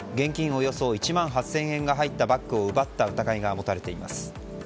およそ１万８０００円が入ったバッグを奪った疑いが持たれています。